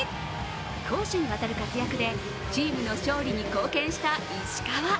攻守にわたる活躍でチームの勝利に貢献した石川。